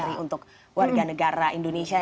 dari untuk warga negara indonesia